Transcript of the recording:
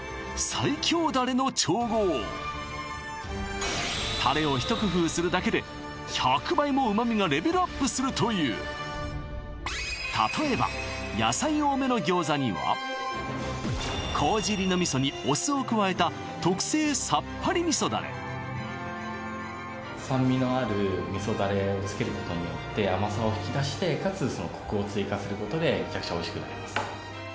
最強ダレの調合タレをひと工夫するだけで１００倍も旨みがレベルアップするという例えば野菜多めの餃子には麹入りの味噌にお酢を加えた特製さっぱり味噌ダレをつけることによってすることでめちゃくちゃおいしくなります